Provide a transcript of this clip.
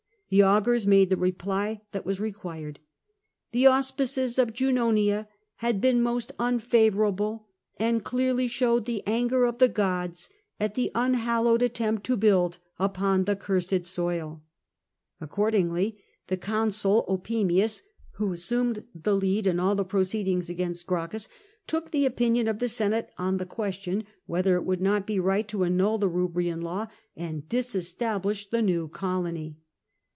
The augurs made the reply that was required: ^'The auspices of Junonia had been most unfavourable, and clearly showed the anger of the gods at the unhallo^'ed attempt to build upon the cursed soil." Accordingly the Consul Opimitis, who assumed the lead in all the proceedings against Gracchus, took the opinion of the Senate on the question whether it would not be right to annul the Eubrian law and disestablish the new colony.